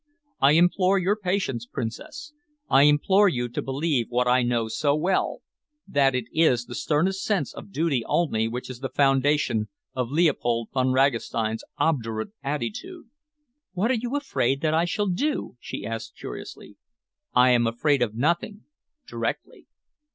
I implore your patience, Princess. I implore you to believe what I know so well, that it is the sternest sense of duty only which is the foundation of Leopold Von Ragastein's obdurate attitude." "What are you afraid that I shall do?" she asked curiously. "I am afraid of nothing directly."